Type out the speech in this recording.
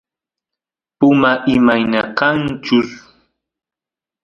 puma imayna kanchus